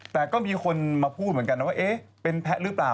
แต่ก็มีคนมาพูดเหมือนกันนะว่าเอ๊ะเป็นแพะหรือเปล่า